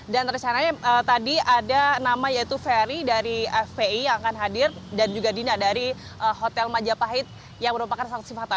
dan resananya tadi ada nama yaitu ferry dari fpi yang akan hadir dan juga dina dari hotel majapahit yang merupakan saksi fakta